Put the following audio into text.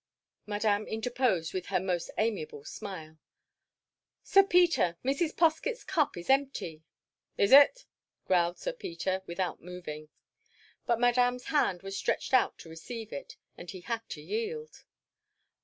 Madame interposed with her most amiable smile. "Sir Peter, Mrs. Poskett's cup is empty." "Is it?" growled Sir Peter, without moving. But Madame's hand was stretched out to receive it, and he had to yield.